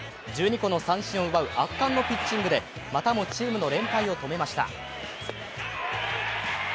１２個の三振を奪う圧巻のピッチングで、またもチームの連敗を止めました。